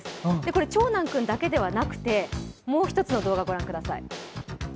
これ、長男君だけではなくてもう一つの動画をご覧ください。